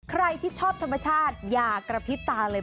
ใครที่ชอบธรรมชาติอย่ากระพริบตาเลย